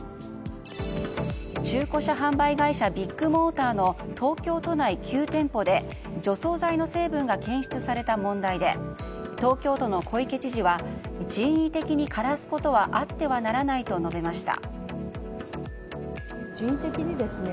中古車販売会社ビッグモーターの東京都内９店舗で除草剤の成分が検出された問題で東京都の小池知事は人為的に枯らすことはあってはならないと述べました。